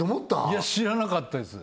いや知らなかったです